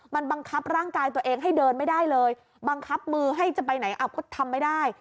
มันบังคับร่างกายตัวเองให้เดินไม่ได้เลยบังคับมือให้จะไปไหนก็ทำไม่ได้